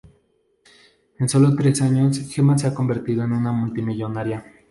En solo tres años, Gemma se ha convertido en una multimillonaria.